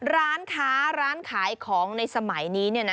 ร้านค้าร้านขายของในสมัยนี้